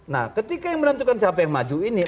nah ketika yang menentukan siapa yang maju ini